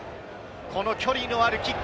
この距離のあるキック。